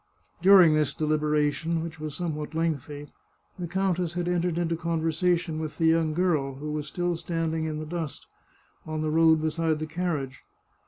During this deliberation, which was somewhat lengthy, the countess had entered into conversation with the young girl, who was still standing in the dust, on the road beside the carriage.